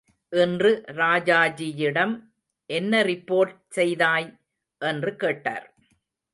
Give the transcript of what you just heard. இன்று ராஜாஜியிடம் என்ன ரிப்போர்ட் செய்தாய்? என்று கேட்டார்.